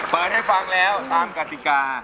เปิดให้ฟังแล้วตามกติกา